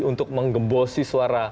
untuk menggembosi suara